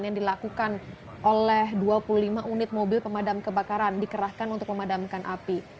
yang dilakukan oleh dua puluh lima unit mobil pemadam kebakaran dikerahkan untuk memadamkan api